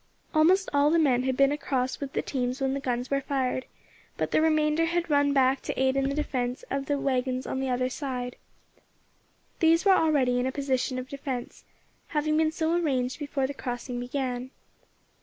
Almost all the men had been across with the teams when the guns were fired, but the remainder had run back to aid in the defence of the waggons on the other side. These were already in a position of defence, having been so arranged before the crossing began.